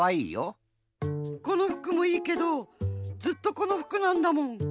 この服もいいけどずっとこの服なんだもん。